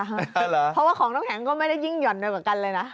เพราะว่าของน้ำแข็งก็ไม่ได้ยิ่งหย่อนไปกว่ากันเลยนะ